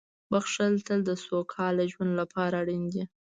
• بښل تل د سوکاله ژوند لپاره اړین دي.